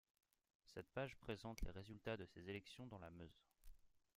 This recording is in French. Cette page présente les résultats de ces élections dans la Meuse.